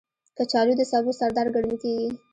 کچالو د سبو سردار ګڼل کېږي